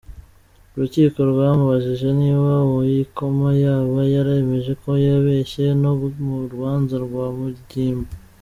Urukiko rwamubajije niba uwo yikoma yaba yaremeje ko yabeshye no mu rubanza rwa Mugimba.